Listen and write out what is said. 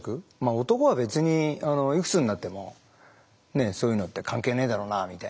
男は別にいくつになってもそういうのって関係ねえだろうなみたいな。